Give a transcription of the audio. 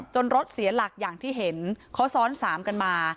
รถเสียหลักอย่างที่เห็นเขาซ้อนสามกันมา